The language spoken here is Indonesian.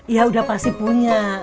ya udah pasti punya